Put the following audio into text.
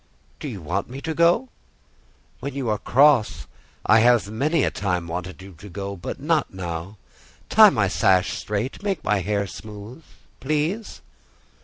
"Do you want me to go?" "When you are cross, I have many a time wanted you to go, but not now. Tie my sash straight; make my hair smooth, please."